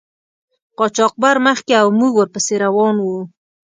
قاچاقبر مخکې او موږ ور پسې روان وو.